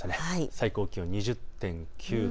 最高気温２０．９度。